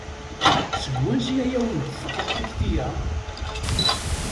Seg wansi ay awen-d-tekka tekti-a?